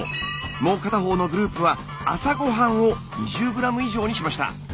もう片方のグループは朝ごはんを２０ｇ以上にしました。